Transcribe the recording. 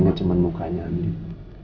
gak cuma mukanya andin